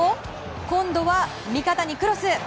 今度は味方にクロス。